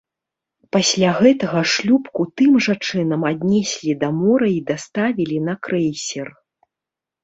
Пасля гэтага шлюпку тым жа чынам аднеслі да мора і даставілі на крэйсер.